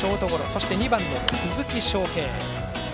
そして、２番の鈴木将平。